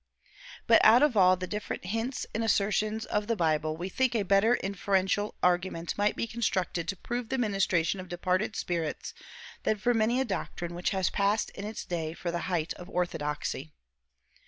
But out of all the different hints and assertions of the Bible we think a better inferential argument might be constructed to prove the ministration of departed spirits than for many a doctrine which has passed in its day for the height of orthodoxy.